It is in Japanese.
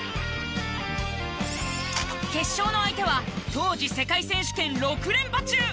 決勝の相手は当時世界選手権６連覇中！